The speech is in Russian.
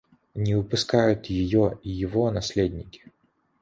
Не выпускают ее и его наследники.